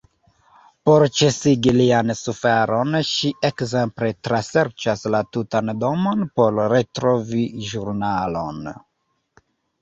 Por ĉesigi lian suferon ŝi ekzemple traserĉas la tutan domon por retrovi ĵurnalon.